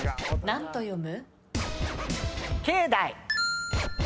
何と読む？